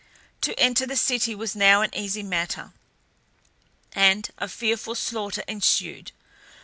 To enter the city was now an easy matter, and a fearful slaughter ensued.